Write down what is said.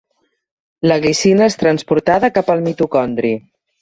La glicina és transportada cap al mitocondri.